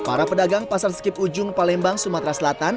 para pedagang pasar skip ujung palembang sumatera selatan